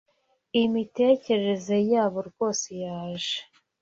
Imitekerereze yabo rwose yaje